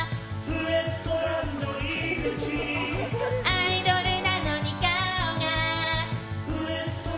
アイドルなのに顔が。